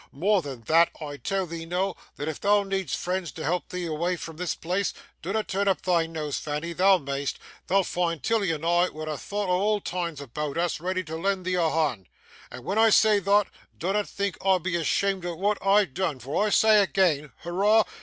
More than thot, I tell 'ee noo, that if thou need'st friends to help thee awa' from this place dinnot turn up thy nose, Fanny, thou may'st thou'lt foind Tilly and I wi' a thout o' old times aboot us, ready to lend thee a hond. And when I say thot, dinnot think I be asheamed of waa't I've deane, for I say again, Hurrah!